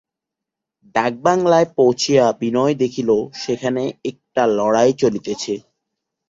ডাকবাংলায় পৌঁছিয়া বিনয় দেখিল সেখানে একটা লড়াই চলিতেছে।